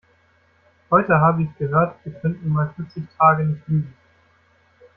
Heute habe ich gehört, wir könnten mal vierzig Tage nicht Lügen.